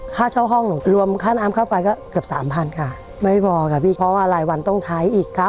ค่าเช่าห้องรวมค่าน้ำเข้าไปก็เกือบ๓๐๐๐บาทค่ะ